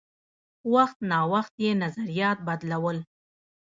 وخت نا وخت یې نظریات بدلول.